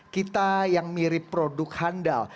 kita yang mirip produk handal